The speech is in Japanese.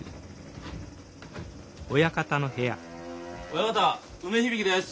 親方梅響です。